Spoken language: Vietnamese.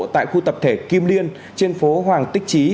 tại khu tập thể kim liên trên phố hoàng tích trí